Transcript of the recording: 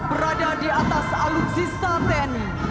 dan berada di atas alutsista tni